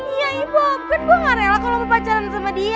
iya ibu kan gue gak rela kalo mau pacaran sama dia